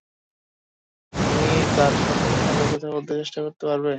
তুমি তার সাথে আবার কথা বলার চেষ্টা করতে পারবে?